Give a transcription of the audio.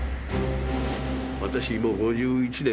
私もう５１年